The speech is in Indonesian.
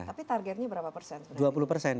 tapi targetnya berapa persen